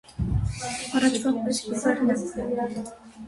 առաջվա պես լուռ էր նա.